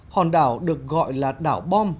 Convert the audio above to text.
hòn đảo được gọi là đảo bom